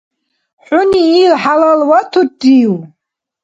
- ХӀуни ил хӀялалватуррив?